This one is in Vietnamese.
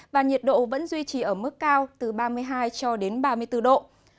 và nhiệt độ vẫn duy trì ở mức cao từ ba mươi hai cho đến ba mươi bốn độ